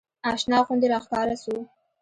اشنا غوندې راښکاره سو.